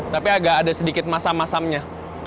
tapi agak ada sedikit masam masamnya